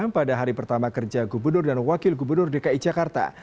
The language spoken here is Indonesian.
pada hari pertama kerja gubernur dan wakil gubernur dki jakarta